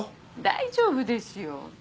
大丈夫ですよ。